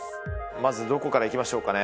まずどこからいきましょうかね